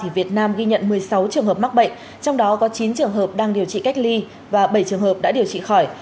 việt nam ghi nhận một mươi sáu trường hợp mắc bệnh trong đó có chín trường hợp đang điều trị cách ly và bảy trường hợp đã điều trị khỏi